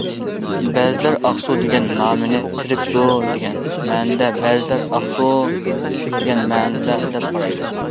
بەزىلەر ئاقسۇ دېگەن نامنى‹‹ تىرىك سۇ›› دېگەن مەنىدە، بەزىلەر‹‹ ئاقسۇن›› دېگەن مەنىدە، دەپ قارايدۇ.